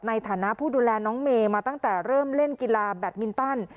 ในฐานะผู้ดูแลน้องเมย์มาตั้งแต่เริ่มเล่นกีฬาแบตมินตัน